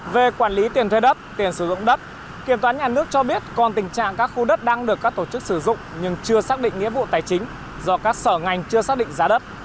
về quản lý tiền thuê đất tiền sử dụng đất kiểm toán nhà nước cho biết còn tình trạng các khu đất đang được các tổ chức sử dụng nhưng chưa xác định nghĩa vụ tài chính do các sở ngành chưa xác định giá đất